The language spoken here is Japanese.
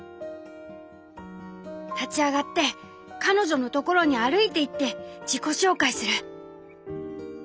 「立ち上がって彼女のところに歩いていって自己紹介する」。